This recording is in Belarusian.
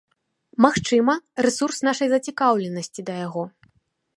Магчыма, рэсурс нашай зацікаўленасці да яго.